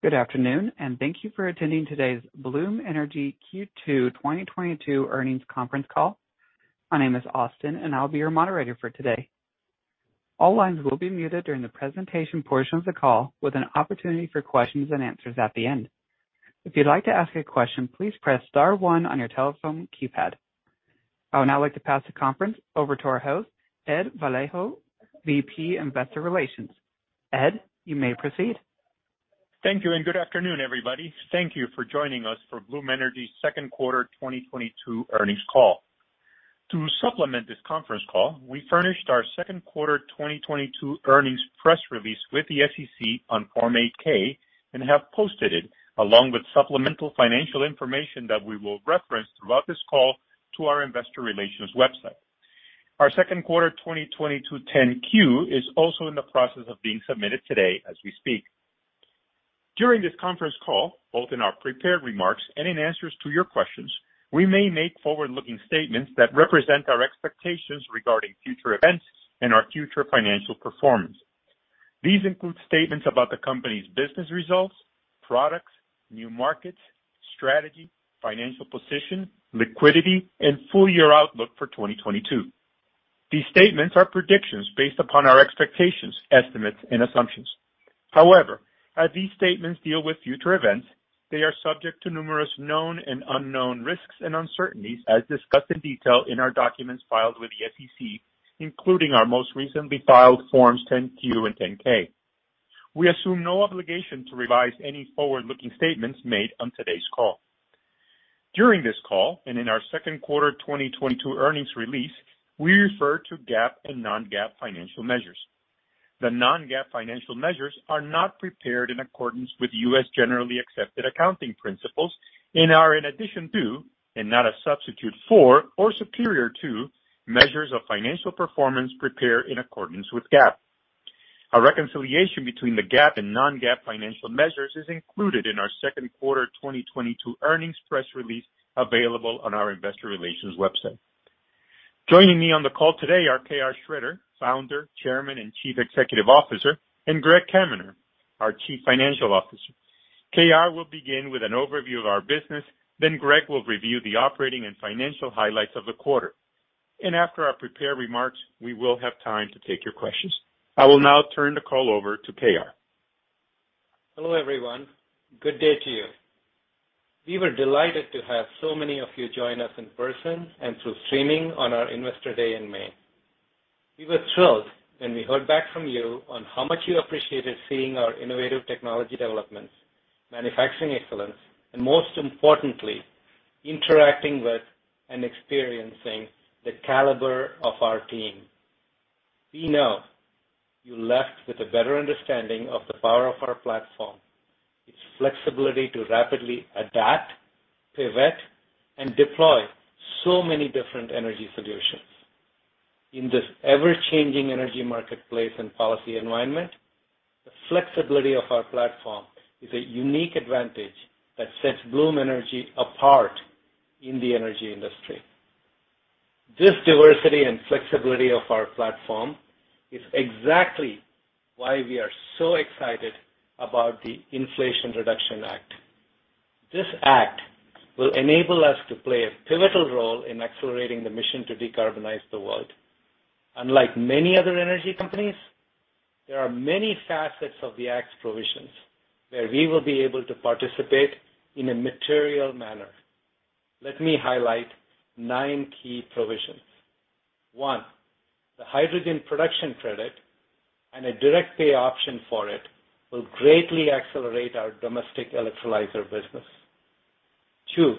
Good afternoon and thank you for attending today's Bloom Energy Q2 2022 earnings conference call. My name is Austin, and I'll be your moderator for today. All lines will be muted during the presentation portion of the call, with an opportunity for questions and answers at the end. If you'd like to ask a question, please press star one on your telephone keypad. I would now like to pass the conference over to our host, Ed Vallejo, VP Investor Relations. Ed, you may proceed. Thank you and good afternoon, everybody. Thank you for joining us for Bloom Energy's second quarter 2022 earnings call. To supplement this conference call, we furnished our second quarter 2022 earnings press release with the SEC on Form 8-K and have posted it, along with supplemental financial information that we will reference throughout this call to our investor relations website. Our second quarter 2022 10-Q is also in the process of being submitted today as we speak. During this conference call, both in our prepared remarks and in answers to your questions, we may make forward-looking statements that represent our expectations regarding future events and our future financial performance. These include statements about the company's business results, products, new markets, strategy, financial position, liquidity and full year outlook for 2022. These statements are predictions based upon our expectations, estimates and assumptions. However, as these statements deal with future events, they are subject to numerous known and unknown risks and uncertainties as discussed in detail in our documents filed with the SEC, including our most recently filed forms 10-Q and 10-K. We assume no obligation to revise any forward-looking statements made on today's call. During this call, and in our second quarter 2022 earnings release, we refer to GAAP and non-GAAP financial measures. The non-GAAP financial measures are not prepared in accordance with U.S. generally accepted accounting principles and are in addition to, and not a substitute for or superior to, measures of financial performance prepared in accordance with GAAP. A reconciliation between the GAAP and non-GAAP financial measures is included in our second quarter 2022 earnings press release, available on our investor relations website. Joining me on the call today are KR Sridhar, Founder, Chairman, and Chief Executive Officer, and Greg Cameron, our Chief Financial Officer. KR will begin with an overview of our business, then Greg will review the operating and financial highlights of the quarter. After our prepared remarks, we will have time to take your questions. I will now turn the call over to KR. Hello, everyone. Good day to you. We were delighted to have so many of you join us in person and through streaming on our investor day in May. We were thrilled when we heard back from you on how much you appreciated seeing our innovative technology developments, manufacturing excellence, and most importantly, interacting with and experiencing the caliber of our team. We know you left with a better understanding of the power of our platform, its flexibility to rapidly adapt, pivot, and deploy so many different energy solutions. In this ever-changing energy marketplace and policy environment, the flexibility of our platform is a unique advantage that sets Bloom Energy apart in the energy industry. This diversity and flexibility of our platform is exactly why we are so excited about the Inflation Reduction Act. This act will enable us to play a pivotal role in accelerating the mission to decarbonize the world. Unlike many other energy companies, there are many facets of the Act's provisions where we will be able to participate in a material manner. Let me highlight nine key provisions. One, the hydrogen production credit and a direct pay option for it will greatly accelerate our domestic electrolyzer business. Two,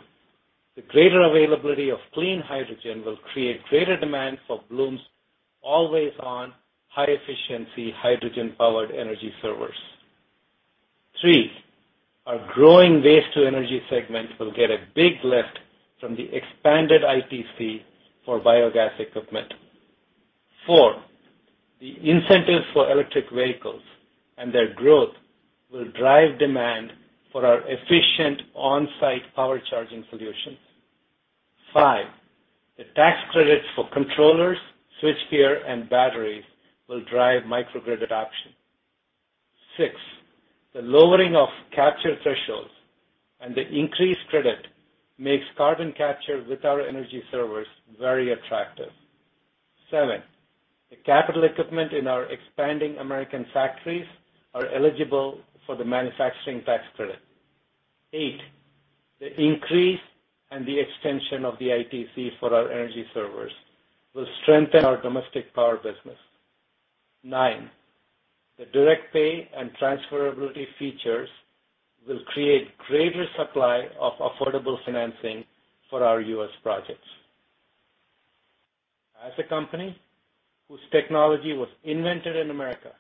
the greater availability of clean hydrogen will create greater demand for Bloom's always-on, high-efficiency, hydrogen-powered Energy Servers. Three, our growing waste-to-energy segment will get a big lift from the expanded ITC for biogas equipment. Four, the incentives for electric vehicles and their growth will drive demand for our efficient on-site power charging solutions. Five, the tax credits for controllers, switchgear, and batteries will drive microgrid adoption. Six, the lowering of capture thresholds and the increased credit makes carbon capture with our Energy Servers very attractive. Seven, the capital equipment in our expanding American factories are eligible for the manufacturing tax credit. Eight, the increase and the extension of the ITC for our Energy Servers will strengthen our domestic power business. Nine, the direct pay and transferability features will create greater supply of affordable financing for our U.S. projects. As a company whose technology was invented in America,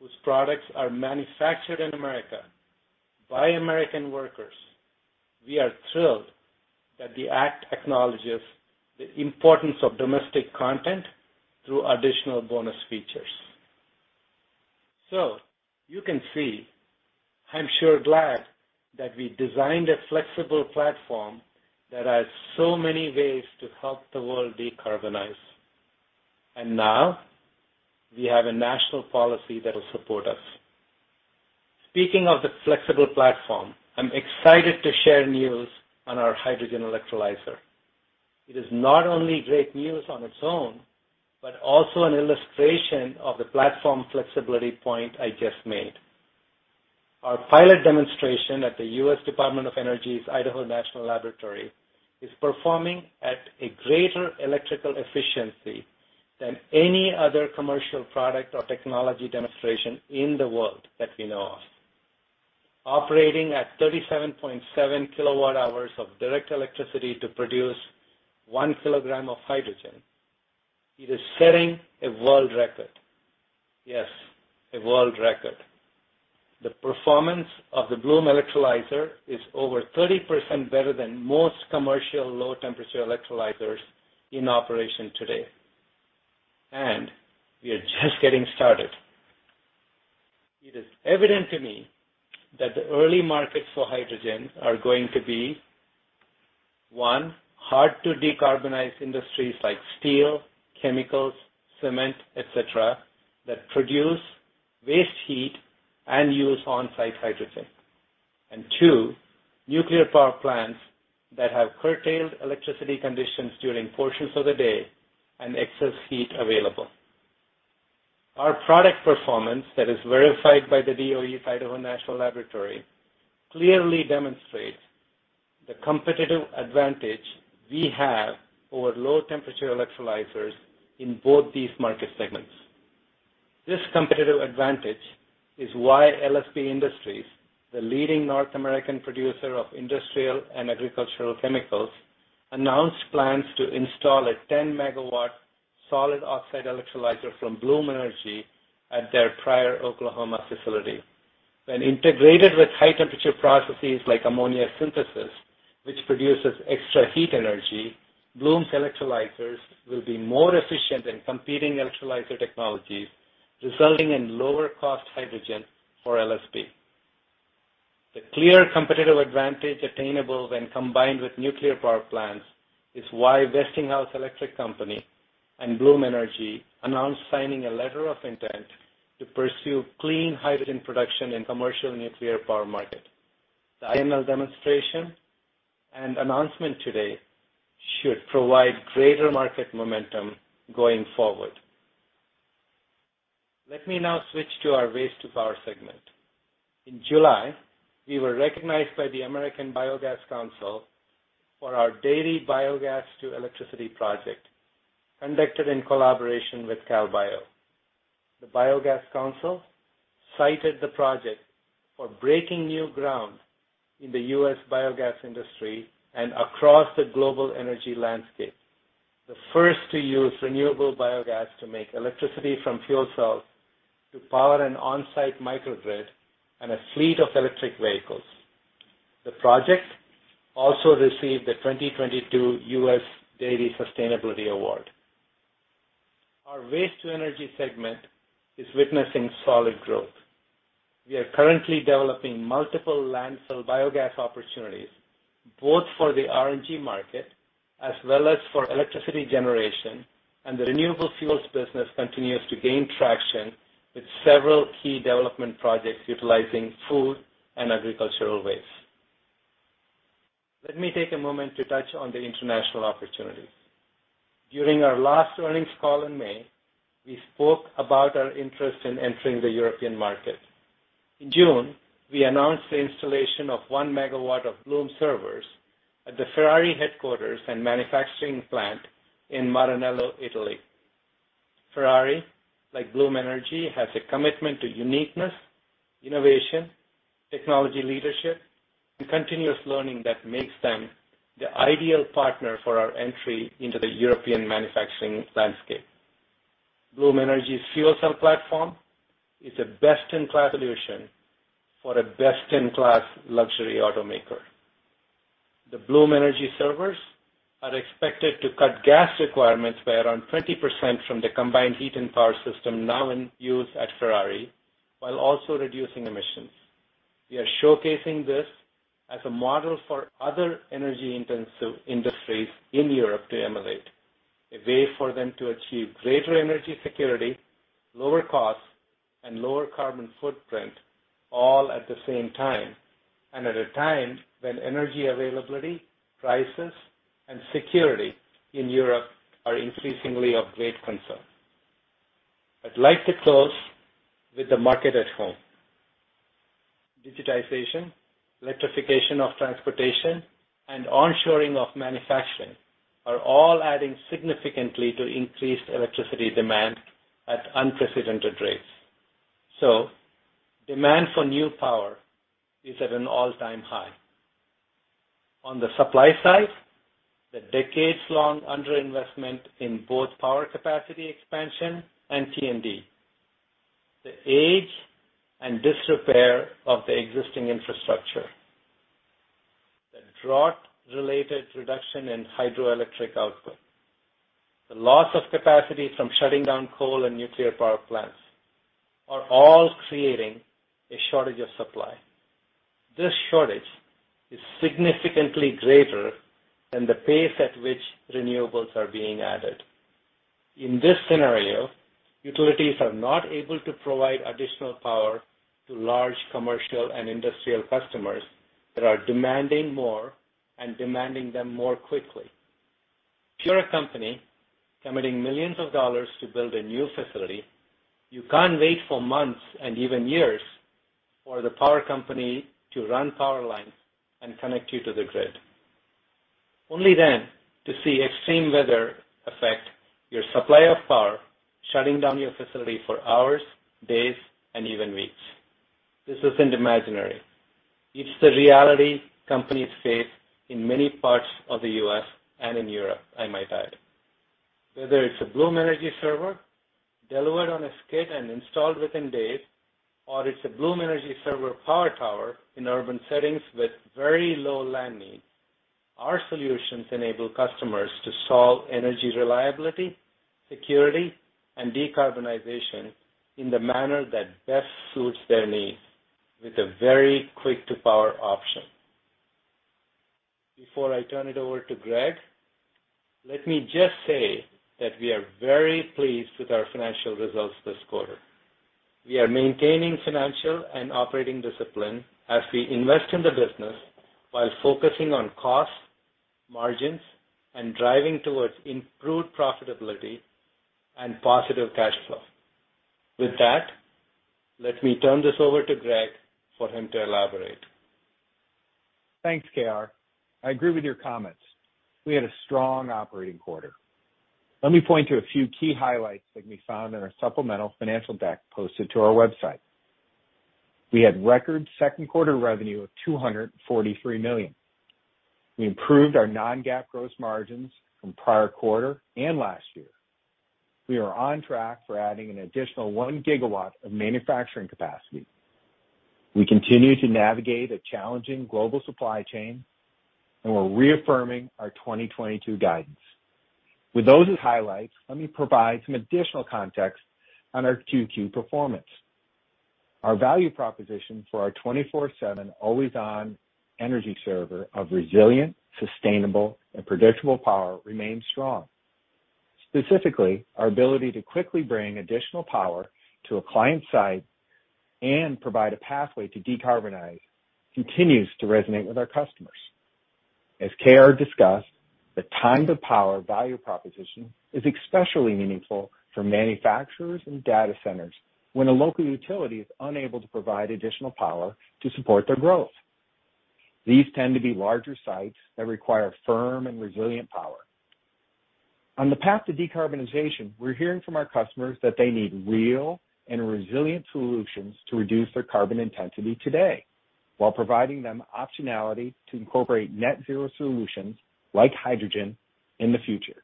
whose products are manufactured in America by American workers, we are thrilled that the Act acknowledges the importance of domestic content through additional bonus features. You can see, I'm so glad that we designed a flexible platform that has so many ways to help the world decarbonize. Now we have a national policy that will support us. Speaking of the flexible platform, I'm excited to share news on our hydrogen electrolyzer. It is not only great news on its own, but also an illustration of the platform flexibility point I just made. Our pilot demonstration at the U.S. Department of Energy's Idaho National Laboratory is performing at a greater electrical efficiency than any other commercial product or technology demonstration in the world that we know of. Operating at 37.7 kWh of direct electricity to produce 1 kg of hydrogen, it is setting a world record. Yes, a world record. The performance of the Bloom electrolyzer is over 30% better than most commercial low temperature electrolyzers in operation today. We are just getting started. It is evident to me that the early markets for hydrogen are going to be, one, hard to decarbonize industries like steel, chemicals, cement, et cetera, that produce waste heat and use on-site hydrogen. Two, nuclear power plants that have curtailed electricity conditions during portions of the day and excess heat available. Our product performance that is verified by the DOE's Idaho National Laboratory clearly demonstrates the competitive advantage we have over low-temperature electrolyzers in both these market segments. This competitive advantage is why LSB Industries, the leading North American producer of industrial and agricultural chemicals, announced plans to install a 10-MW solid oxide electrolyzer from Bloom Energy at their Pryor, Oklahoma, facility. When integrated with high-temperature processes like ammonia synthesis, which produces extra heat energy, Bloom's electrolyzers will be more efficient than competing electrolyzer technologies, resulting in lower cost hydrogen for LSB. The clear competitive advantage attainable when combined with nuclear power plants is why Westinghouse Electric Company and Bloom Energy announced signing a letter of intent to pursue clean hydrogen production in commercial nuclear power market. The INL demonstration and announcement today should provide greater market momentum going forward. Let me now switch to our Waste to Power segment. In July, we were recognized by the American Biogas Council for our daily biogas to electricity project conducted in collaboration with CalBio. The Biogas Council cited the project for breaking new ground in the U.S. biogas industry and across the global energy landscape. The first to use renewable biogas to make electricity from fuel cells to power an on-site microgrid and a fleet of electric vehicles. The project also received the 2022 U.S. Dairy Sustainability Award. Our waste to energy segment is witnessing solid growth. We are currently developing multiple landfill biogas opportunities, both for the RNG market as well as for electricity generation, and the renewable fuels business continues to gain traction with several key development projects utilizing food and agricultural waste. Let me take a moment to touch on the international opportunities. During our last earnings call in May, we spoke about our interest in entering the European market. In June, we announced the installation of 1 MW of Energy Servers at the Ferrari headquarters and manufacturing plant in Maranello, Italy. Ferrari, like Bloom Energy, has a commitment to uniqueness, innovation, technology leadership, and continuous learning that makes them the ideal partner for our entry into the European manufacturing landscape. Bloom Energy's fuel cell platform is a best-in-class solution for a best-in-class luxury automaker. The Bloom Energy servers are expected to cut gas requirements by around 20% from the combined heat and power system now in use at Ferrari, while also reducing emissions. We are showcasing this as a model for other energy-intensive industries in Europe to emulate, a way for them to achieve greater energy security, lower costs, and lower carbon footprint all at the same time, and at a time when energy availability, prices, and security in Europe are increasingly of great concern. I'd like to close with the market at home. Digitization, electrification of transportation, and onshoring of manufacturing are all adding significantly to increased electricity demand at unprecedented rates. Demand for new power is at an all-time high. On the supply side, the decades-long underinvestment in both power capacity expansion and T&D, the age and disrepair of the existing infrastructure, the drought-related reduction in hydroelectric output, the loss of capacity from shutting down coal and nuclear power plants are all creating a shortage of supply. This shortage is significantly greater than the pace at which renewables are being added. In this scenario, utilities are not able to provide additional power to large commercial and industrial customers that are demanding more and demanding them more quickly. If you're a company committing millions of dollars to build a new facility, you can't wait for months and even years for the power company to run power lines and connect you to the grid. Only then to see extreme weather affect your supply of power, shutting down your facility for hours, days, and even weeks. This isn't imaginary. It's the reality companies face in many parts of the U.S. and in Europe, I might add. Whether it's a Bloom Energy Server delivered on a skid and installed within days, or it's a Bloom Energy Server Power Tower in urban settings with very low land needs, our solutions enable customers to solve energy reliability, security, and decarbonization in the manner that best suits their needs with a very quick to power option. Before I turn it over to Greg, let me just say that we are very pleased with our financial results this quarter. We are maintaining financial and operating discipline as we invest in the business while focusing on costs, margins, and driving towards improved profitability and positive cash flow. With that, let me turn this over to Greg for him to elaborate. Thanks, KR I agree with your comments. We had a strong operating quarter. Let me point to a few key highlights that can be found in our supplemental financial deck posted to our website. We had record second quarter revenue of $243 million. We improved our non-GAAP gross margins from prior quarter and last year. We are on track for adding an additional 1 GW of manufacturing capacity. We continue to navigate a challenging global supply chain, and we're reaffirming our 2022 guidance. With those as highlights, let me provide some additional context on our Q2 performance. Our value proposition for our 24/7 always on Energy Server of resilient, sustainable, and predictable power remains strong. Specifically, our ability to quickly bring additional power to a client site and provide a pathway to decarbonize continues to resonate with our customers. As KR discussed, the time to power value proposition is especially meaningful for manufacturers and data centers when a local utility is unable to provide additional power to support their growth. These tend to be larger sites that require firm and resilient power. On the path to decarbonization, we're hearing from our customers that they need real and resilient solutions to reduce their carbon intensity today while providing them optionality to incorporate net zero solutions like hydrogen in the future.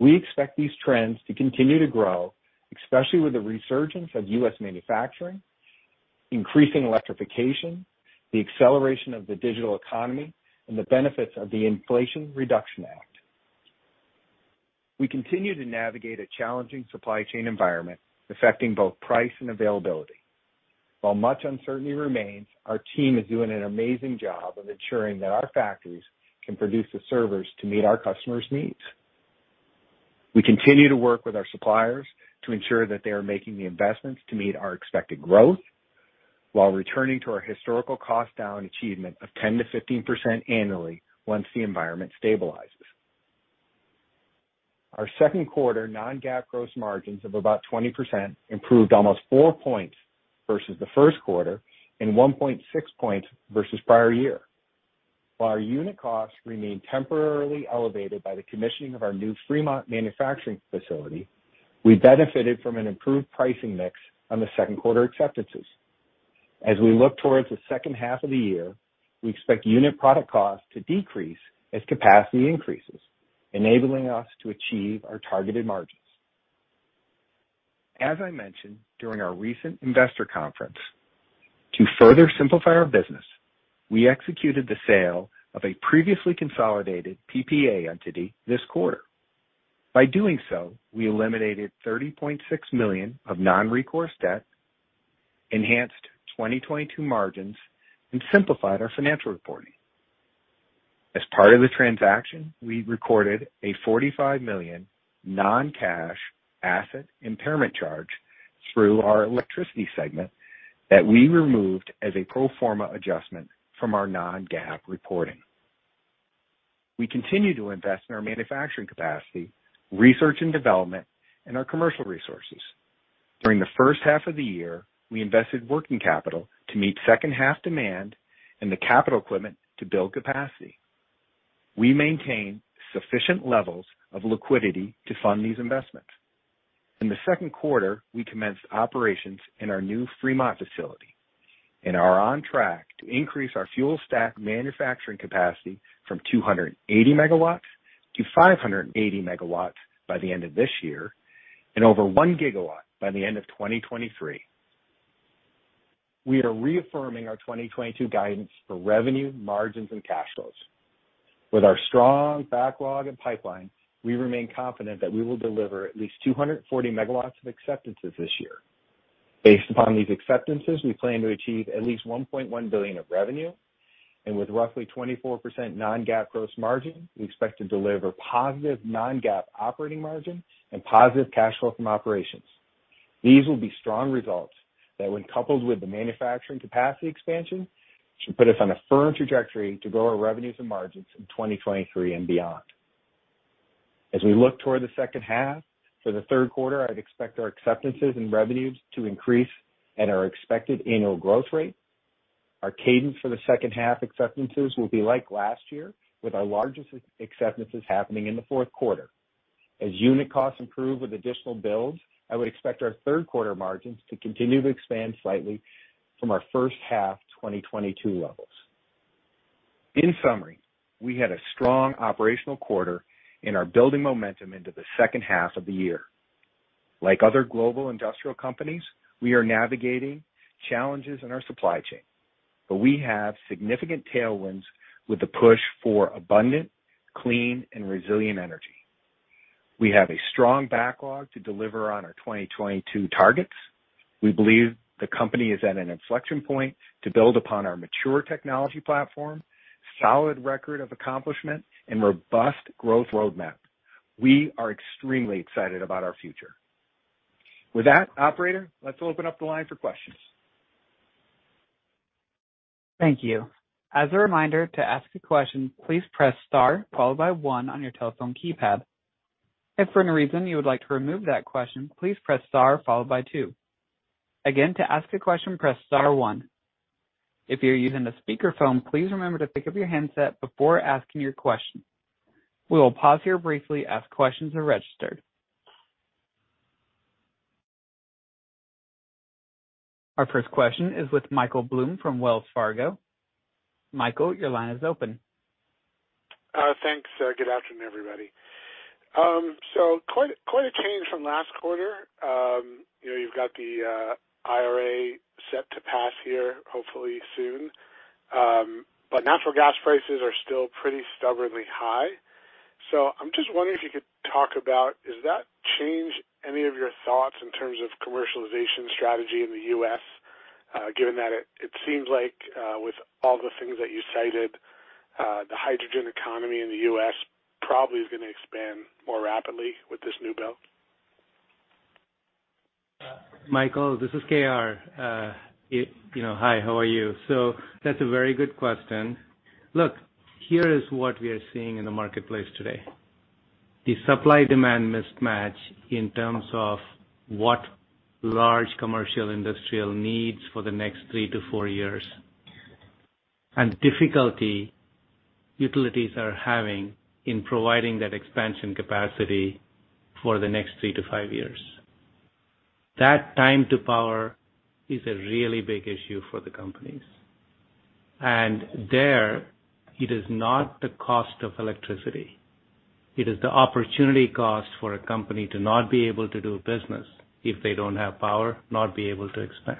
We expect these trends to continue to grow, especially with the resurgence of U.S. manufacturing, increasing electrification, the acceleration of the digital economy, and the benefits of the Inflation Reduction Act. We continue to navigate a challenging supply chain environment affecting both price and availability. While much uncertainty remains, our team is doing an amazing job of ensuring that our factories can produce the servers to meet our customers' needs. We continue to work with our suppliers to ensure that they are making the investments to meet our expected growth while returning to our historical cost down achievement of 10%-15% annually once the environment stabilizes. Our second quarter non-GAAP gross margins of about 20% improved almost 4 points versus the first quarter and 1.6 points versus prior year. While our unit costs remain temporarily elevated by the commissioning of our new Fremont manufacturing facility, we benefited from an improved pricing mix on the second quarter acceptances. As we look towards the second half of the year, we expect unit product costs to decrease as capacity increases, enabling us to achieve our targeted margins. As I mentioned during our recent investor conference, to further simplify our business, we executed the sale of a previously consolidated PPA entity this quarter. By doing so, we eliminated $30.6 million of non-recourse debt, enhanced 2022 margins, and simplified our financial reporting. As part of the transaction, we recorded a $45 million non-cash asset impairment charge through our electricity segment that we removed as a pro forma adjustment from our non-GAAP reporting. We continue to invest in our manufacturing capacity, research and development, and our commercial resources. During the first half of the year, we invested working capital to meet second half demand and the capital equipment to build capacity. We maintain sufficient levels of liquidity to fund these investments. In the second quarter, we commenced operations in our new Fremont facility and are on track to increase our fuel stack manufacturing capacity from 280 MW to 580 MW by the end of this year and over 1 GW by the end of 2023. We are reaffirming our 2022 guidance for revenue, margins, and cash flows. With our strong backlog and pipeline, we remain confident that we will deliver at least 240 MW of acceptances this year. Based upon these acceptances, we plan to achieve at least $1.1 billion of revenue, and with roughly 24% non-GAAP gross margin, we expect to deliver positive non-GAAP operating margin and positive cash flow from operations. These will be strong results that when coupled with the manufacturing capacity expansion, should put us on a firm trajectory to grow our revenues and margins in 2023 and beyond. As we look toward the second half, for the third quarter, I'd expect our acceptances and revenues to increase at our expected annual growth rate. Our cadence for the second half acceptances will be like last year, with our largest acceptances happening in the fourth quarter. As unit costs improve with additional builds, I would expect our third quarter margins to continue to expand slightly from our first half 2022 levels. In summary, we had a strong operational quarter and are building momentum into the second half of the year. Like other global industrial companies, we are navigating challenges in our supply chain, but we have significant tailwinds with the push for abundant, clean and resilient energy. We have a strong backlog to deliver on our 2022 targets. We believe the company is at an inflection point to build upon our mature technology platform, solid record of accomplishment, and robust growth roadmap. We are extremely excited about our future. With that, operator, let's open up the line for questions. Thank you. As a reminder to ask a question, please press star followed by one on your telephone keypad. If for any reason you would like to remove that question, please press star followed by two. Again, to ask a question, press star one. If you're using a speakerphone, please remember to pick up your handset before asking your question. We will pause here briefly as questions are registered. Our first question is with Michael Blum from Wells Fargo. Michael, your line is open. Thanks, sir. Good afternoon, everybody. Quite a change from last quarter. You know, you've got the IRA set to pass here hopefully soon. Natural gas prices are still pretty stubbornly high. I'm just wondering if you could talk about, does that change any of your thoughts in terms of commercialization strategy in the U.S., given that it seems like, with all the things that you cited, the hydrogen economy in the U.S. probably is gonna expand more rapidly with this new bill? Michael, this is KR. You know, hi, how are you? That's a very good question. Look, here is what we are seeing in the marketplace today. The supply demand mismatch in terms of what large commercial industrial needs for the next three to four years, and difficulty utilities are having in providing that expansion capacity for the next three to five years. That time to power is a really big issue for the companies. There it is not the cost of electricity, it is the opportunity cost for a company to not be able to do business if they don't have power, not be able to expand.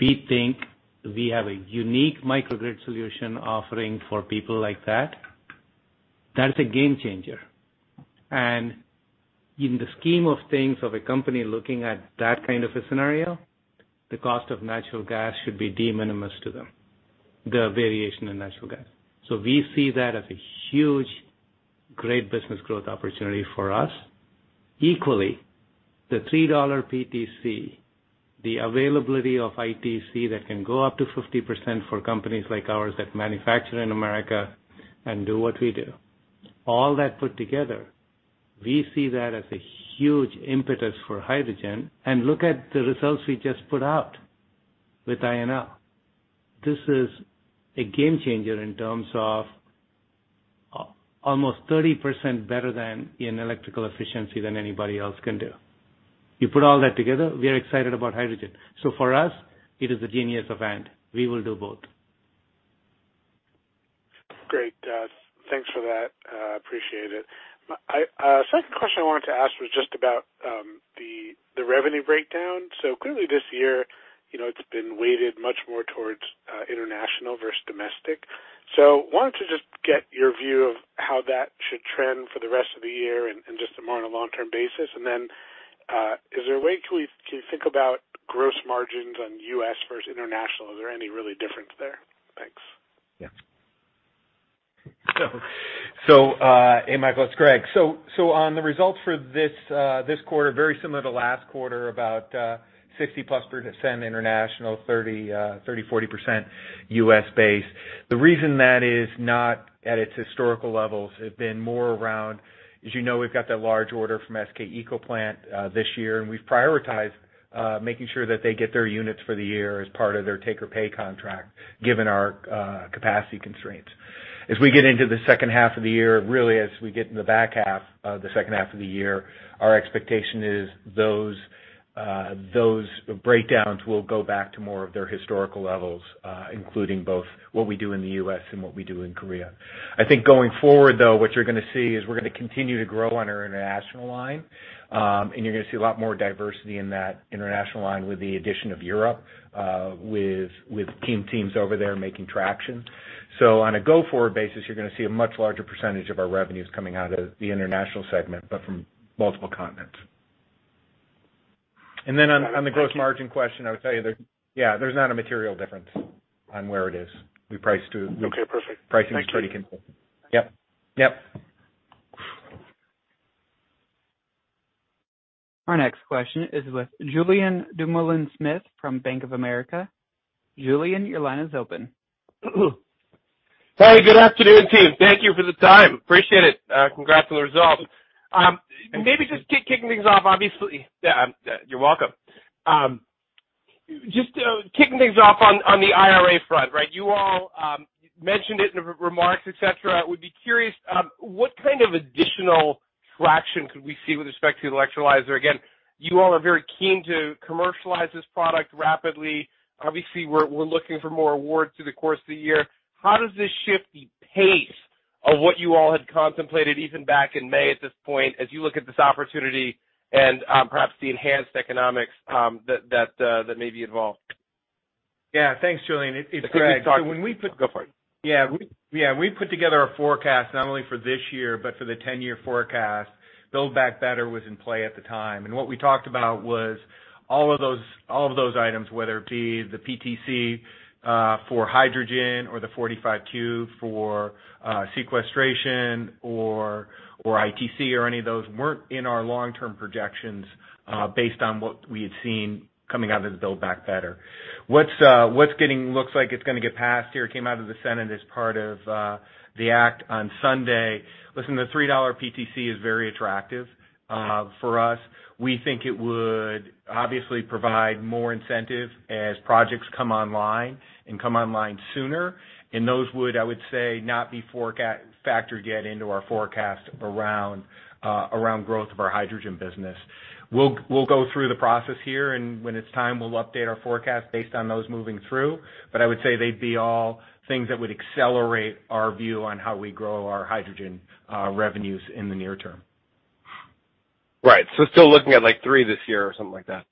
We think we have a unique microgrid solution offering for people like that. That's a game changer. In the scheme of things of a company looking at that kind of a scenario, the cost of natural gas should be de minimis to them, the variation in natural gas. We see that as a huge, great business growth opportunity for us. Equally, the $3 PTC, the availability of ITC that can go up to 50% for companies like ours that manufacture in America and do what we do. All that put together, we see that as a huge impetus for hydrogen. Look at the results we just put out with INL. This is a game changer in terms of almost 30% better in electrical efficiency than anybody else can do. You put all that together, we are excited about hydrogen. For us, it is a genesis event. We will do both. Great. Thanks for that. Appreciate it. My second question I wanted to ask was just about the revenue breakdown. Clearly this year, you know, it's been weighted much more towards international versus domestic. Wanted to just get your view of how that should trend for the rest of the year and just more on a long-term basis. Then, can you think about gross margins on U.S. versus international? Is there any real difference there? Thanks. Yeah. Hey Michael, it's Greg. On the results for this quarter, very similar to last quarter, about 60+% international 30%-40% U.S. base. The reason that is not at its historical levels have been more around, as you know, we've got that large order from SK ecoplant this year, and we've prioritized making sure that they get their units for the year as part of their take or pay contract, given our capacity constraints. As we get into the second half of the year, really as we get in the back half of the second half of the year, our expectation is those breakdowns will go back to more of their historical levels, including both what we do in the U.S. and what we do in Korea. I think going forward, though, what you're gonna see is we're gonna continue to grow on our international line, and you're gonna see a lot more diversity in that international line with the addition of Europe, with teams over there making traction. On a go-forward basis, you're gonna see a much larger percentage of our revenues coming out of the international segment, but from multiple continents. On the gross margin question, I would tell you there. Yeah, there's not a material difference on where it is. We price to- Okay, perfect. Pricing is pretty consistent. Thank you. Yep. Yep. Our next question is with Julien Dumoulin-Smith from Bank of America. Julien, your line is open. Hey, good afternoon, team. Thank you for the time. Appreciate it. Congrats on the results. Maybe just kicking things off, obviously. You're welcome. Just kicking things off on the IRA front, right? You all mentioned it in the remarks, et cetera. Would be curious what kind of additional traction could we see with respect to electrolyzer? Again, you all are very keen to commercialize this product rapidly. Obviously, we're looking for more awards through the course of the year. How does this shift the pace of what you all had contemplated even back in May at this point, as you look at this opportunity and perhaps the enhanced economics that may be involved? Yeah. Thanks, Julien. It's Greg. I think we talked. So when we put- Go for it. Yeah. We put together a forecast not only for this year, but for the ten-year forecast. Build Back Better was in play at the time. What we talked about was all of those items, whether it be the PTC for hydrogen or the 45Q for sequestration or ITC or any of those, weren't in our long-term projections based on what we had seen coming out of the Build Back Better. What's getting passed looks like it's gonna get passed here. It came out of the Senate as part of the act on Sunday. Listen, the $3 PTC is very attractive for us. We think it would obviously provide more incentive as projects come online and come online sooner, and those would, I would say, not be factored yet into our forecast around growth of our hydrogen business. We'll go through the process here, and when it's time, we'll update our forecast based on those moving through. I would say they'd be all things that would accelerate our view on how we grow our hydrogen revenues in the near term. Right. Still looking at, like, three this year or something like that.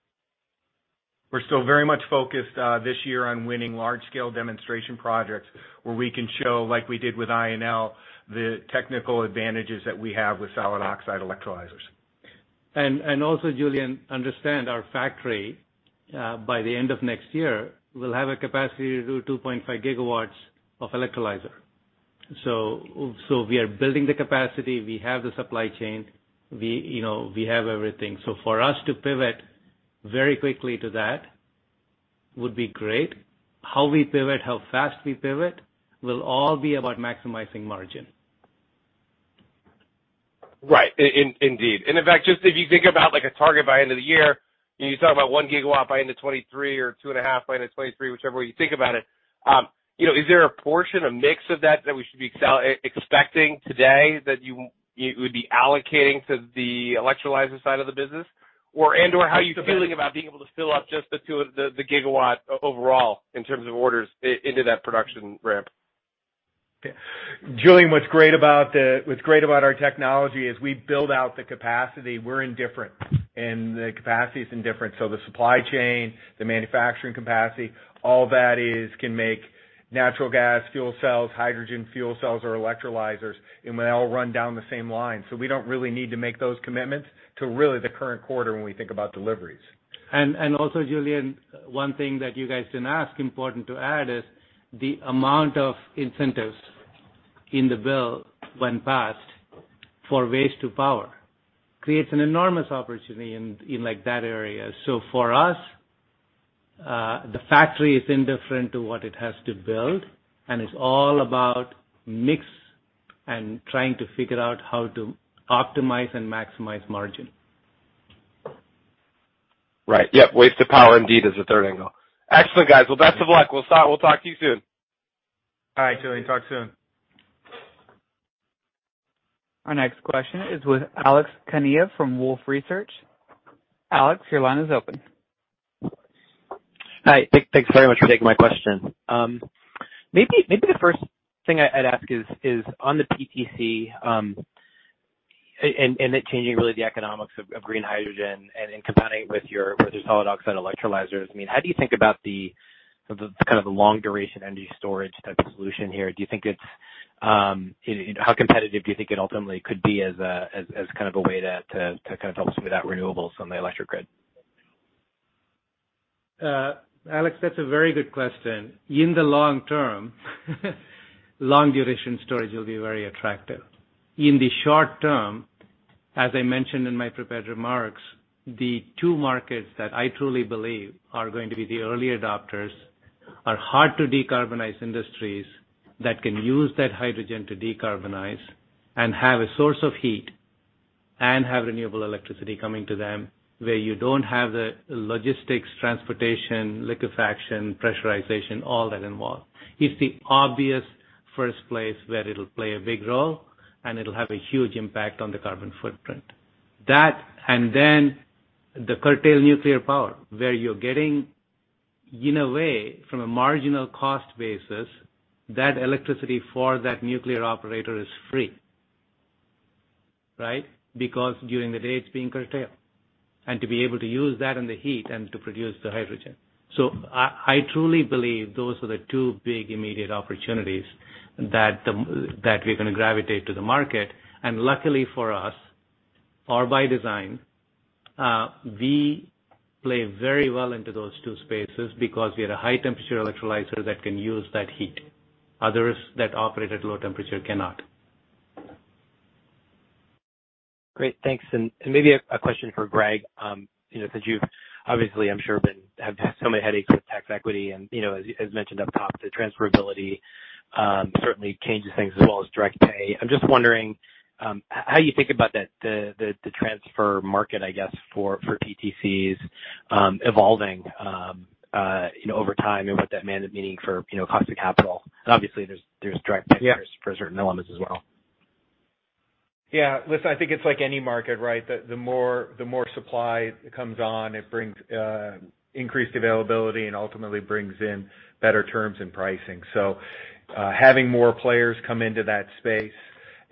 We're still very much focused this year on winning large scale demonstration projects where we can show, like we did with INL, the technical advantages that we have with solid oxide electrolyzers. Also, Julien, understand our factory by the end of next year will have a capacity to do 2.5 GW of electrolyzer. We are building the capacity. We have the supply chain. You know, we have everything. For us to pivot very quickly to that would be great. How we pivot, how fast we pivot, will all be about maximizing margin. Right. Indeed. In fact, just if you think about, like, a target by end of the year, and you talk about 1 GW by end of 2023 or 2.5 by end of 2023, whichever way you think about it, is there a portion, a mix of that we should be expecting today that you would be allocating to the electrolyzer side of the business? Or and/or how are you feeling about being able to fill up just the two of the gigawatt overall in terms of orders into that production ramp? Julien, what's great about our technology is we build out the capacity. We're indifferent, and the capacity is indifferent. The supply chain, the manufacturing capacity, all that can make natural gas, fuel cells, hydrogen fuel cells or electrolyzers, and they all run down the same line. We don't really need to make those commitments to really the current quarter when we think about deliveries. Julien, one thing that you guys didn't ask, important to add, is the amount of incentives in the bill when passed for waste to power creates an enormous opportunity in, like, that area. The factory is indifferent to what it has to build, and it's all about mix and trying to figure out how to optimize and maximize margin. Right. Yeah. Waste of power indeed is a third angle. Excellent, guys. Well, best of luck. We'll talk to you soon. All right, Julien. Talk soon. Our next question is with Alex Kania from Wolfe Research. Alex, your line is open. Hi. Thanks very much for taking my question. Maybe the first thing I'd ask is on the PTC, and it changing really the economics of green hydrogen and in combining with your solid oxide electrolyzers. I mean, how do you think about the kind of long duration energy storage type of solution here? Do you think it's how competitive do you think it ultimately could be as kind of a way to kind of help smooth out renewables on the electric grid? Alex, that's a very good question. In the long term, long duration storage will be very attractive. In the short term, as I mentioned in my prepared remarks, the two markets that I truly believe are going to be the early adopters are hard to decarbonize industries that can use that hydrogen to decarbonize and have a source of heat and have renewable electricity coming to them, where you don't have the logistics, transportation, liquefaction, pressurization, all that involved. It's the obvious first place where it'll play a big role. It'll have a huge impact on the carbon footprint. That, then the curtailed nuclear power, where you're getting, in a way, from a marginal cost basis, that electricity for that nuclear operator is free, right? Because during the day it's being curtailed. To be able to use that in the heat and to produce the hydrogen. I truly believe those are the two big immediate opportunities that we're gonna gravitate to the market. Luckily for us, or by design, we play very well into those two spaces because we had a high temperature electrolyzer that can use that heat. Others that operate at low temperature cannot. Great. Thanks. Maybe a question for Greg, you know, since you've obviously, I'm sure, have had so many headaches with tax equity and, you know, as mentioned up top, the transferability certainly changes things as well as direct pay. I'm just wondering, how you think about that, the transfer market, I guess, for PTCs, evolving, you know, over time and what that may end up meaning for, you know, cost of capital. Obviously there's direct payers. Yeah. for certain elements as well. Yeah. Listen, I think it's like any market, right? The more supply comes on, it brings increased availability and ultimately brings in better terms in pricing. Having more players come into that space.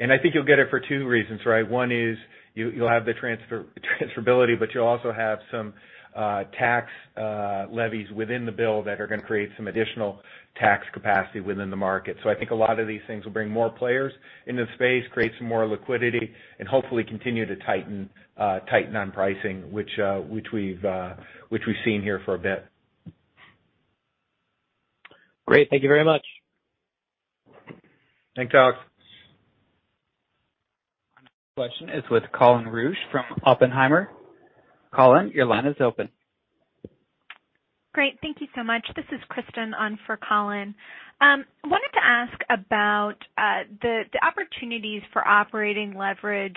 I think you'll get it for two reasons, right? One is you'll have the transferability, but you'll also have some tax levies within the bill that are gonna create some additional tax capacity within the market. I think a lot of these things will bring more players into the space, create some more liquidity, and hopefully continue to tighten on pricing, which we've seen here for a bit. Great. Thank you very much. Thanks, Alex. Next question is with Colin Rusch from Oppenheimer. Colin, your line is open. Great. Thank you so much. This is Kristen on for Colin. Wanted to ask about the opportunities for operating leverage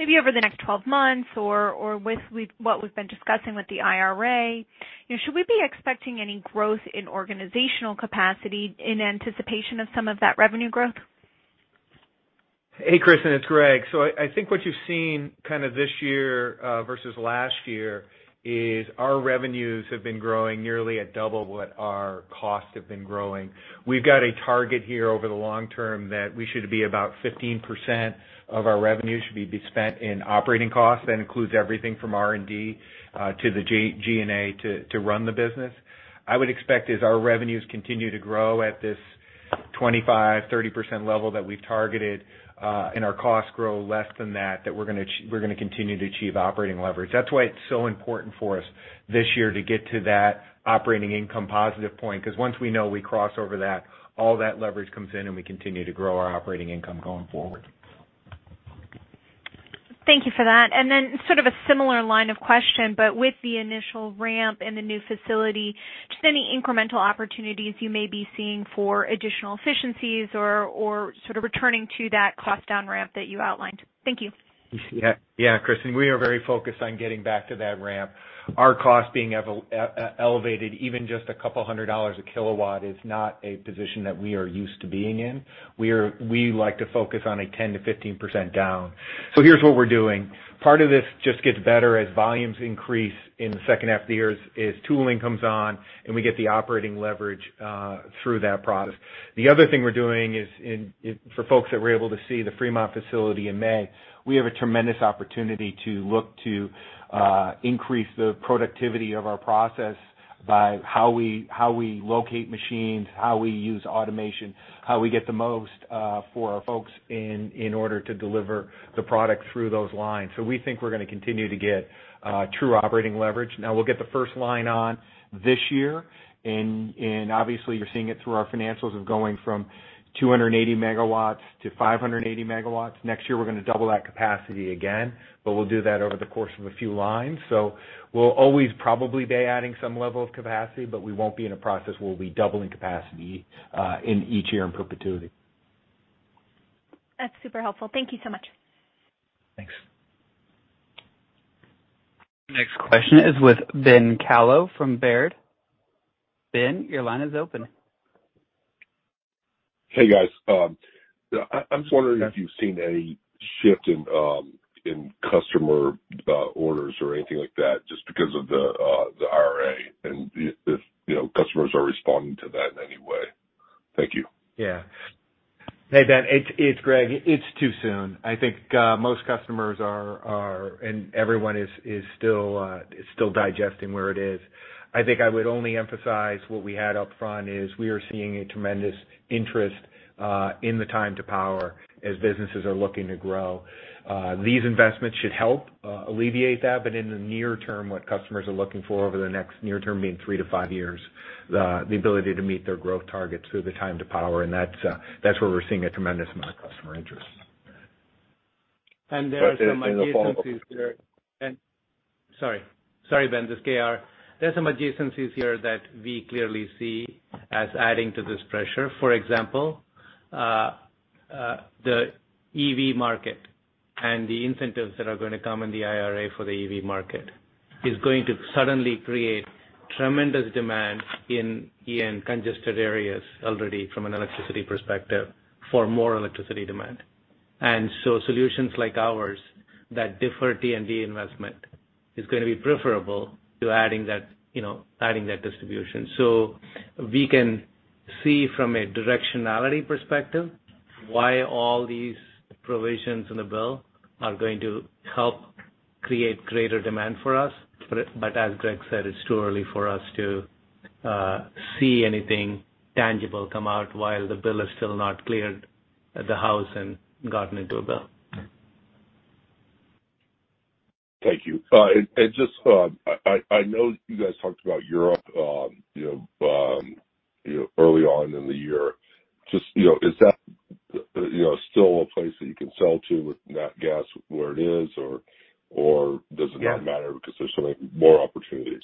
maybe over the next 12 months or what we've been discussing with the IRA. You know, should we be expecting any growth in organizational capacity in anticipation of some of that revenue growth? Hey, Kristen, it's Greg. I think what you've seen kind of this year versus last year is our revenues have been growing nearly at double what our costs have been growing. We've got a target here over the long term that we should be about 15% of our revenue should be spent in operating costs. That includes everything from R&D to the G&A to run the business. I would expect as our revenues continue to grow at this 25%-30% level that we've targeted, and our costs grow less than that we're gonna continue to achieve operating leverage. That's why it's so important for us this year to get to that operating income positive point, cause once we know we cross over that, all that leverage comes in, and we continue to grow our operating income going forward. Thank you for that. Sort of a similar line of question, but with the initial ramp in the new facility, just any incremental opportunities you may be seeing for additional efficiencies or sort of returning to that cost down ramp that you outlined? Thank you. Yeah. Yeah, Kristen, we are very focused on getting back to that ramp. Our cost being elevated even just $200 a kW is not a position that we are used to being in. We like to focus on 10%-15% down. Here's what we're doing. Part of this just gets better as volumes increase in the second half of the year, as tooling comes on and we get the operating leverage through that process. The other thing we're doing is for folks that were able to see the Fremont facility in May, we have a tremendous opportunity to look to increase the productivity of our process by how we locate machines, how we use automation, how we get the most for our folks in order to deliver the product through those lines. We think we're gonna continue to get true operating leverage. Now we'll get the first line on this year and obviously you're seeing it through our financials of going from 280 MW-580 MW. Next year we're gonna double that capacity again, but we'll do that over the course of a few lines. We'll always probably be adding some level of capacity, but we won't be in a process where we'll be doubling capacity in each year in perpetuity. That's super helpful. Thank you so much. Thanks. Next question is with Ben Kallo from Baird. Ben, your line is open. Hey, guys. I was wondering if you've seen any shift in customer orders or anything like that just because of the IRA and if you know, customers are responding to that in any way. Thank you. Yeah. Hey, Ben, it's Greg. It's too soon. I think most customers are and everyone is still digesting where it is. I think I would only emphasize what we had up front is we are seeing a tremendous interest in the time to power as businesses are looking to grow. These investments should help alleviate that, but in the near term, what customers are looking for over the next near term, being three to five years, the ability to meet their growth targets through the time to power, and that's where we're seeing a tremendous amount of customer interest. There are some adjacencies here. Sorry. Sorry, Ben. This is KR. There are some adjacencies here that we clearly see as adding to this pressure. For example, the EV market. The incentives that are going to come in the IRA for the EV market is going to suddenly create tremendous demand in congested areas already from an electricity perspective for more electricity demand. Solutions like ours that defer T&D investment is going to be preferable to adding that, you know, adding that distribution. We can see from a directionality perspective why all these provisions in the bill are going to help create greater demand for us. As Greg said, it's too early for us to see anything tangible come out while the bill is still not cleared at the House and gotten into a bill. Thank you. Just, I know you guys talked about Europe, you know, early on in the year. Just, you know, is that, you know, still a place that you can sell to with nat gas where it is, or does it not matter because there's so many more opportunities?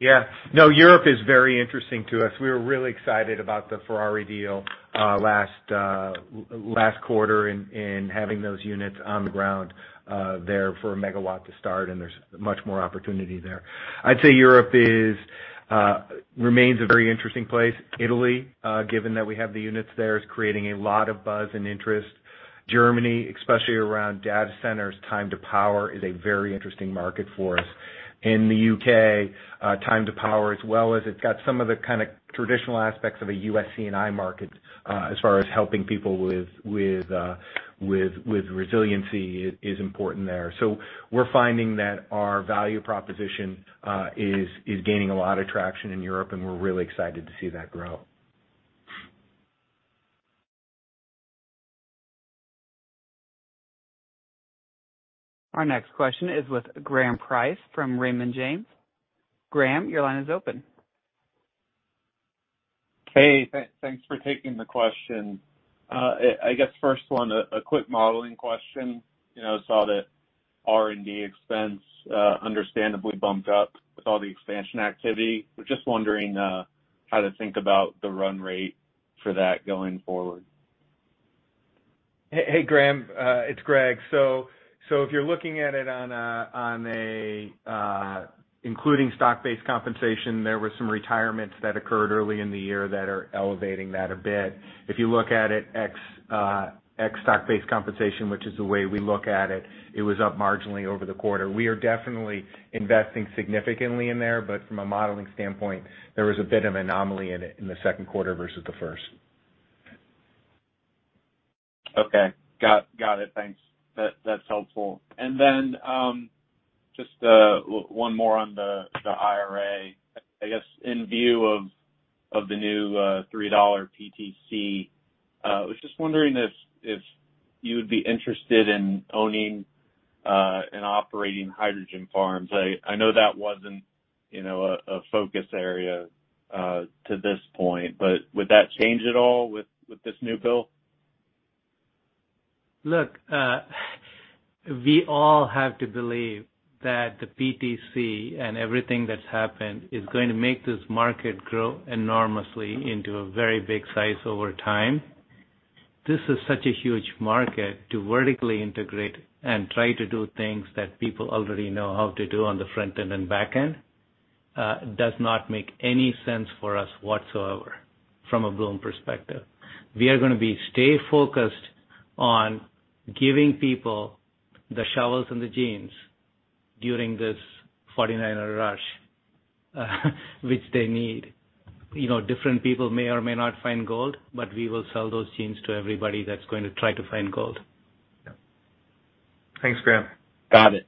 Yeah. No, Europe is very interesting to us. We were really excited about the Ferrari deal, last quarter and having those units on the ground there for 1 MW to start, and there's much more opportunity there. I'd say Europe remains a very interesting place. Italy, given that we have the units there, is creating a lot of buzz and interest. Germany, especially around data centers, time to power is a very interesting market for us. In the U.K., time to power as well as it's got some of the kind of traditional aspects of a US C&I market, as far as helping people with resiliency is important there. We're finding that our value proposition is gaining a lot of traction in Europe, and we're really excited to see that grow. Our next question is with Graham Price from Raymond James. Graham, your line is open. Hey, thanks for taking the question. I guess first one, a quick modeling question. You know, saw that R&D expense, understandably bumped up with all the expansion activity. Was just wondering, how to think about the run rate for that going forward. Hey, Graham. It's Greg. If you're looking at it on a including stock-based compensation, there were some retirements that occurred early in the year that are elevating that a bit. If you look at it ex stock-based compensation, which is the way we look at it was up marginally over the quarter. We are definitely investing significantly in there, but from a modeling standpoint, there was a bit of anomaly in it in the second quarter versus the first. Okay. Got it. Thanks. That's helpful. Just one more on the IRA. I guess in view of the new $3 PTC, I was just wondering if you would be interested in owning and operating hydrogen farms. I know that wasn't, you know, a focus area to this point, but would that change at all with this new bill? Look, we all have to believe that the PTC and everything that's happened is going to make this market grow enormously into a very big size over time. This is such a huge market to vertically integrate and try to do things that people already know how to do on the front end and back end, does not make any sense for us whatsoever from a Bloom perspective. We are gonna be stay focused on giving people the shovels and the jeans during this forty-niner rush, which they need. You know, different people may or may not find gold, but we will sell those jeans to everybody that's going to try to find gold. Yeah. Thanks, Graham. Got it.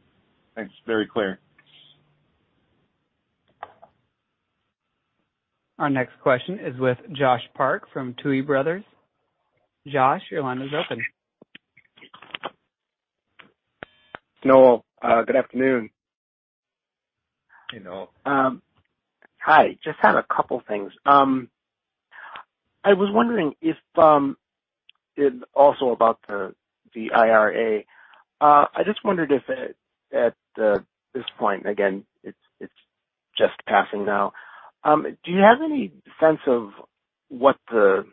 Thanks. Very clear. Our next question is with Noel Parks from Tuohy Brothers. Josh, your line is open. Noel, good afternoon. Hey, Noel. Hi. Just had a couple things. I just wondered if at this point, again, it's just passing now, do you have any sense of what the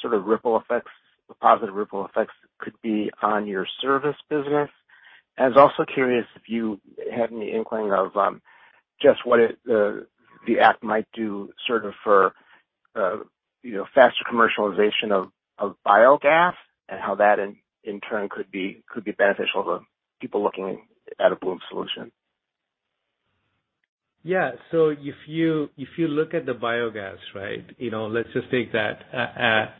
sort of ripple effects, the positive ripple effects could be on your service business? I was also curious if you had any inkling of just what it, the act might do sort of for you know, faster commercialization of biogas and how that in turn could be beneficial to people looking at a Bloom solution. Yeah. If you look at the biogas, right, you know, let's just take that.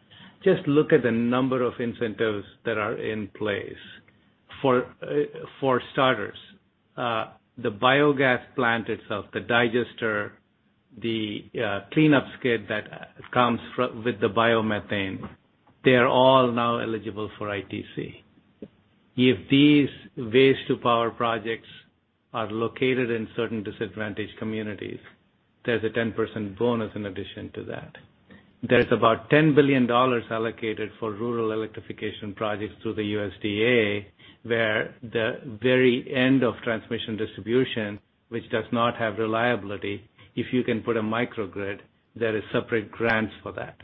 Just look at the number of incentives that are in place. For starters, the biogas plant itself, the digester, the cleanup skid that comes with the biomethane, they are all now eligible for ITC. If these waste-to-power projects are located in certain disadvantaged communities, there's a 10% bonus in addition to that. There's about $10 billion allocated for rural electrification projects through the USDA, where the very end of transmission and distribution, which does not have reliability, if you can put a microgrid, there is separate grants for that.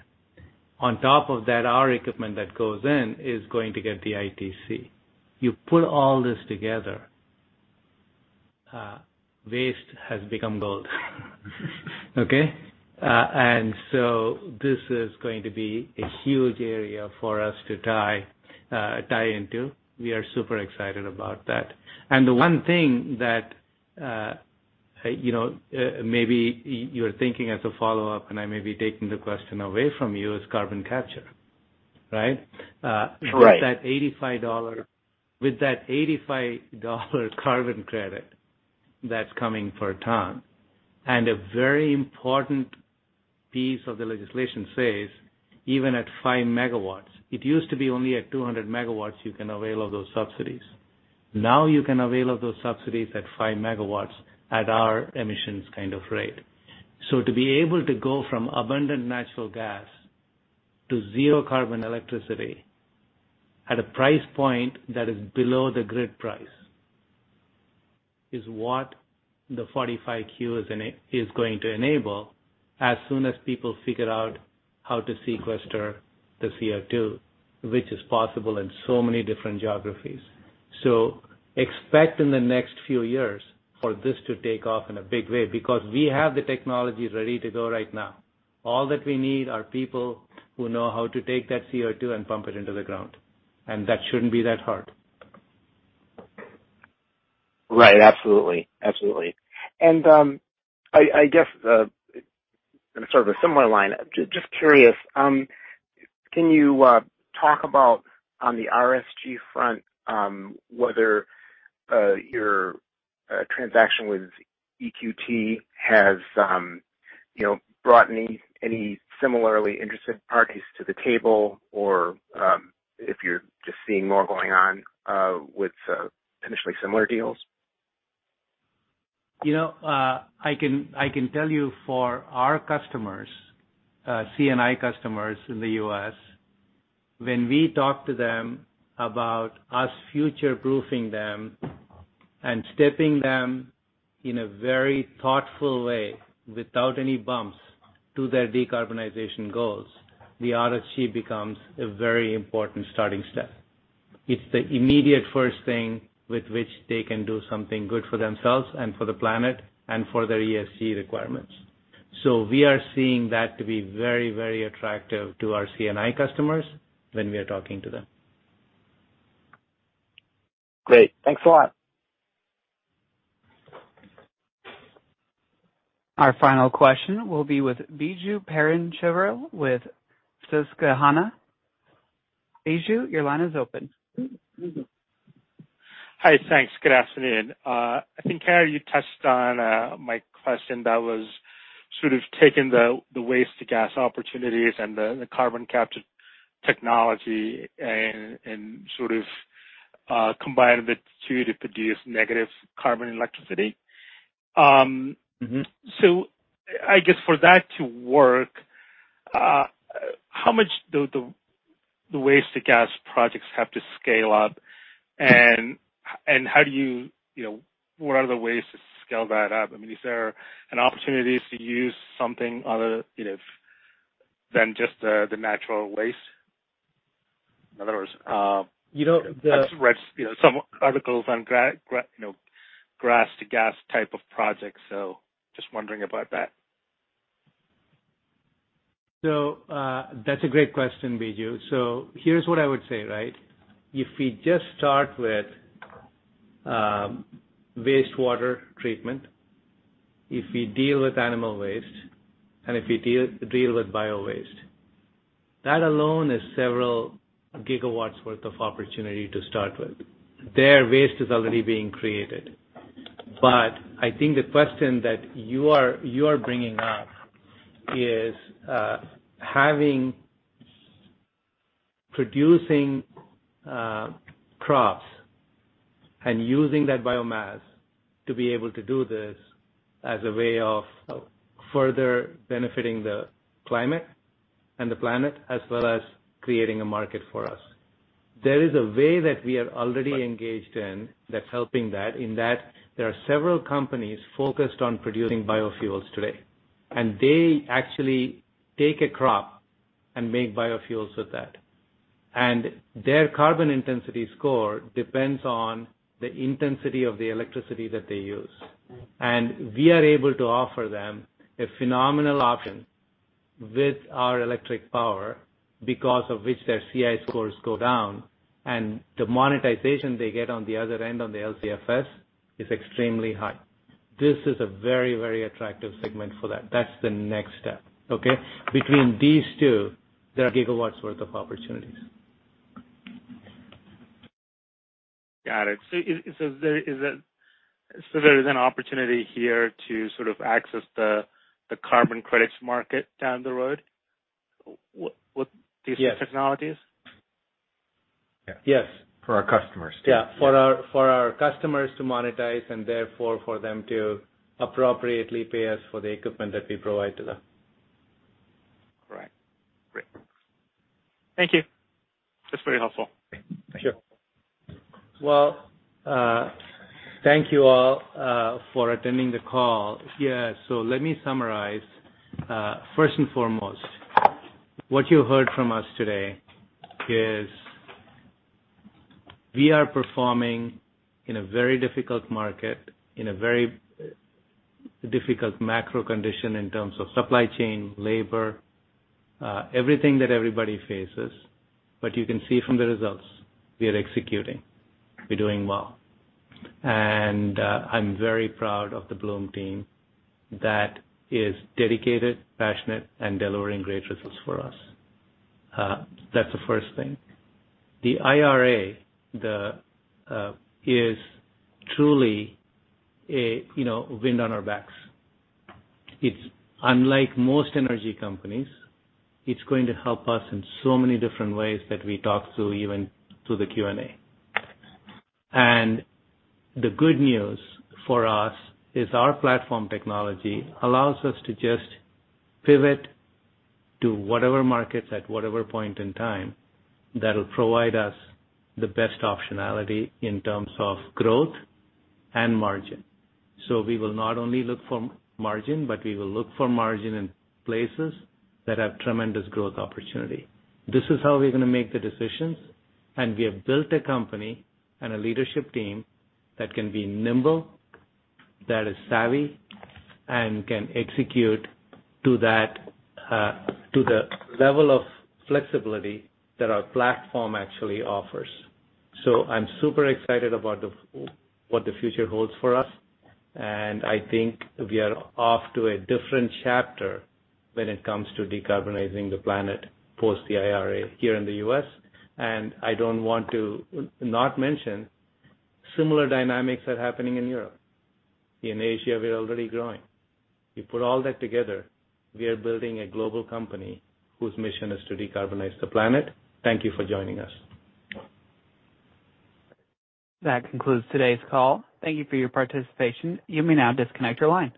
On top of that, our equipment that goes in is going to get the ITC. You put all this together, waste has become gold. Okay? This is going to be a huge area for us to tie into. We are super excited about that. The one thing that, you know, maybe you're thinking as a follow-up, and I may be taking the question away from you, is carbon capture, right? Right. With that $85 carbon credit that's coming per ton, and a very important piece of the legislation says even at 5 megawatts. It used to be only at 200 megawatts you can avail of those subsidies. Now you can avail of those subsidies at 5 megawatts at our emissions kind of rate. To be able to go from abundant natural gas to zero carbon electricity at a price point that is below the grid price is what the 45Q is going to enable as soon as people figure out how to sequester the CO2, which is possible in so many different geographies. Expect in the next few years for this to take off in a big way, because we have the technology ready to go right now. All that we need are people who know how to take that CO2 and pump it into the ground, and that shouldn't be that hard. Right. Absolutely. I guess in sort of a similar line, just curious, can you talk about on the RSG front whether your transaction with EQT has you know brought any similarly interested parties to the table, or if you're just seeing more going on with potentially similar deals? You know, I can tell you for our customers, C&I customers in the U.S., when we talk to them about us future-proofing them and stepping them in a very thoughtful way without any bumps to their decarbonization goals, the RSG becomes a very important starting step. It's the immediate first thing with which they can do something good for themselves and for the planet and for their ESG requirements. We are seeing that to be very, very attractive to our C&I customers when we are talking to them. Great. Thanks a lot. Our final question will be with Biju Perincheril with Susquehanna. Biju, your line is open. Hi, thanks. Good afternoon. I think, Harry, you touched on my question that was sort of taking the waste to gas opportunities and the carbon capture technology and sort of combining the two to produce negative carbon electricity. Mm-hmm. I guess for that to work, how much do the waste to gas projects have to scale up? How do you know, what are the ways to scale that up? I mean, is there an opportunity to use something other, you know, than just the natural waste? In other words, You know, I've read, you know, some articles on grass to gas type of projects, so just wondering about that. That's a great question, Biju. Here's what I would say, right? If we just start with wastewater treatment, if we deal with animal waste, and if we deal with biowaste, that alone is several gigawatts worth of opportunity to start with. Their waste is already being created. I think the question that you are bringing up is producing crops and using that biomass to be able to do this as a way of further benefiting the climate and the planet as well as creating a market for us. There is a way that we are already engaged in that's helping that, in that there are several companies focused on producing biofuels today. They actually take a crop and make biofuels with that. Their carbon intensity score depends on the intensity of the electricity that they use. We are able to offer them a phenomenal option with our electric power because of which their CI scores go down, and the monetization they get on the other end on the LCFS is extremely high. This is a very, very attractive segment for that. That's the next step, okay? Between these two, there are gigawatts worth of opportunities. Got it. Is there an opportunity here to sort of access the carbon credits market down the road with these Yes. New technologies? Yes. For our customers. Yeah, for our customers to monetize and therefore for them to appropriately pay us for the equipment that we provide to them. Correct. Great. Thank you. That's very helpful. Sure. Well, thank you all for attending the call. Yeah. Let me summarize. First and foremost, what you heard from us today is we are performing in a very difficult market, in a very difficult macro condition in terms of supply chain, labor, everything that everybody faces. But you can see from the results we are executing, we're doing well. I'm very proud of the Bloom team that is dedicated, passionate, and delivering great results for us. That's the first thing. The IRA is truly a, you know, wind on our backs. It's unlike most energy companies. It's going to help us in so many different ways that we talk through even through the Q&A. The good news for us is our platform technology allows us to just pivot to whatever markets at whatever point in time that'll provide us the best optionality in terms of growth and margin. We will not only look for margin, but we will look for margin in places that have tremendous growth opportunity. This is how we're gonna make the decisions, and we have built a company and a leadership team that can be nimble, that is savvy, and can execute to that, to the level of flexibility that our platform actually offers. I'm super excited about what the future holds for us, and I think we are off to a different chapter when it comes to decarbonizing the planet post the IRA here in the US. I don't want to not mention similar dynamics are happening in Europe. In Asia, we are already growing. You put all that together, we are building a global company whose mission is to decarbonize the planet. Thank you for joining us. That concludes today's call. Thank you for your participation. You may now disconnect your line.